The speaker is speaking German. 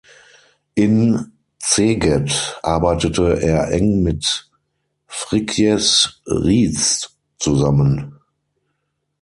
In Szeged arbeitete er eng mit Frigyes Riesz zusammen.